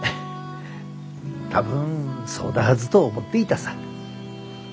多分そうだはずと思っていたさ。